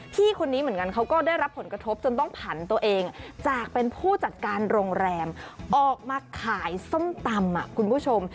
พี่คนนี้เหมือนกันเขาก็ได้รับผลกระทบจนต้องผันตัวเองจากเป็นผู้จัดการโรงแรมออกมาขายส้มตำคุณผู้ชม